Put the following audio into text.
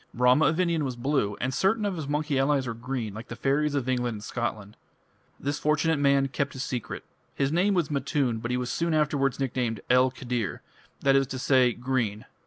Rama of India was blue, and certain of his monkey allies were green, like the fairies of England and Scotland. This fortunate man kept his secret. His name was Matun, but he was afterwards nicknamed "'El Khidr', that is to say, 'Green'".